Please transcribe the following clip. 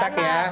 pak kontak ya